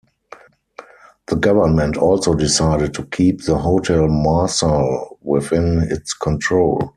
The government also decided to keep the Hotel Marsal within its control.